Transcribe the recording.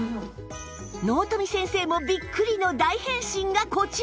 納富先生もビックリの大変身がこちら